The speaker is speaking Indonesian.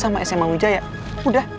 makan aja udah